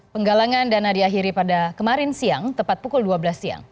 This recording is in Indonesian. penggalangan dana diakhiri pada kemarin siang tepat pukul dua belas siang